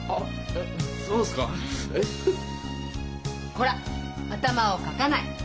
こら！頭をかかない。